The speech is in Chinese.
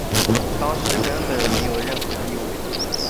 当时根本没有任何地位。